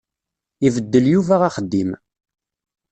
Ibeddel Yuba axeddim.